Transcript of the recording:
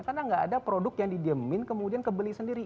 karena enggak ada produk yang didiemin kemudian kebeli sendiri